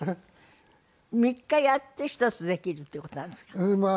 ３日やって１つできるっていう事なんですか？